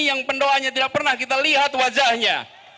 yang pendoanya tidak pernah kita lihat wajahnya